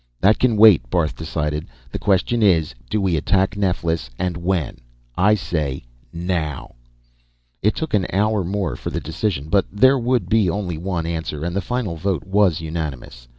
"That can wait," Barth decided. "The question is, do we attack Neflis, and when? I say now!" It took an hour more for the decision. But there would be only one answer, and the final vote was unanimous.